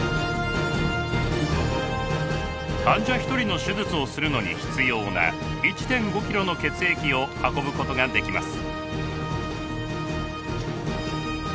患者１人の手術をするのに必要な１．５ｋｇの血液を運ぶことができます。